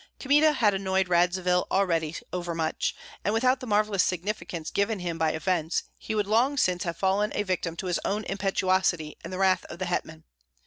Kmita had annoyed Radzivill already over much; and without the marvellous significance given him by events, he would long since have fallen a victim to his own impetuosity and the wrath of the hetman.